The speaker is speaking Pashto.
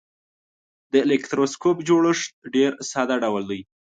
د الکتروسکوپ جوړښت ډیر ساده ډول دی.